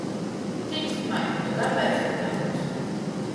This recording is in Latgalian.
Ticit maņ, ka garlaiceigi nabyus!